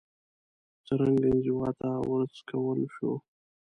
څرنګه انزوا ته وروڅکول شو